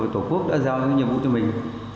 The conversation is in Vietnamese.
tổ quốc đã giao những nhiệm vụ cho mình